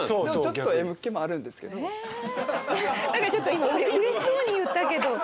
何かちょっと今うれしそうに言ったけど。